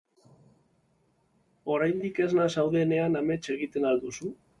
Oraindik esna zaudenean amets egiten al duzu?